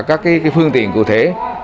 các phương tiện cụ thể